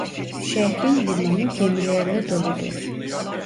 Şehrin limanı gemilerle doludur.